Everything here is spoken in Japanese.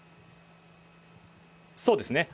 そうですね。